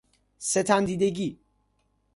ستم دیدگی